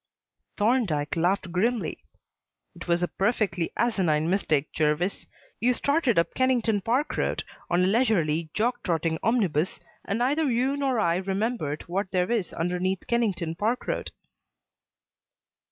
Thorndyke laughed grimly. "It was a perfectly asinine mistake, Jervis. You started up Kennington Park Road on a leisurely, jog trotting omnibus, and neither you nor I remembered what there is underneath Kennington Park Road."